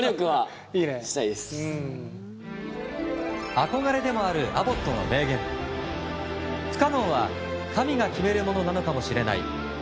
憧れでもあるアボットの名言不可能は神が決めるものなのかもしれない。